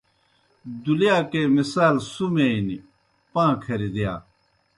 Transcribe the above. دُلِیاکے مثال سُمے نیْ، پاں کھریْ دِیا